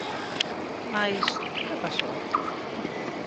Mais... que pasou?